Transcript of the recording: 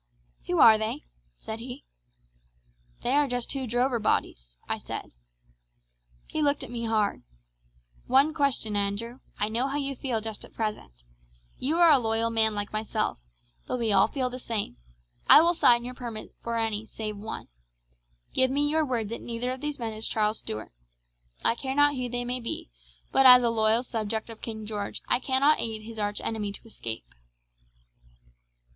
"'Who are they?' said he. "'They are just two drover bodies,' I said. He looked at me hard. "'One question, Andrew. I know how you feel just at present. You are a loyal man like myself, but we all feel the same. I will sign your permit for any save one. Give me your word that neither of these men is Charles Stuart. I care not who they may be beside, but as a loyal subject of King George I cannot aid his arch enemy to escape.'